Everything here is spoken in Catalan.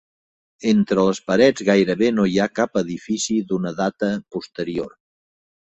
Entre les parets gairebé no hi ha cap edifici d'una data posterior.